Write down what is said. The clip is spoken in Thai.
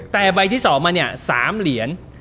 แต่ใบที่๒มาเนี่ย๓เหรียญ